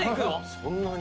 そんなに？